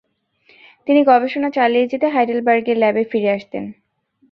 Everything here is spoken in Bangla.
তিনি গবেষণা চালিয়ে যেতে হাইডেলবার্গের ল্যাবে ফিরে আসতেন।